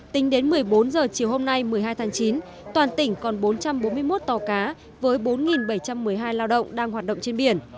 tính đến một mươi bốn h chiều hôm nay một mươi hai tháng chín toàn tỉnh còn bốn trăm bốn mươi một tàu cá với bốn bảy trăm một mươi hai lao động đang hoạt động trên biển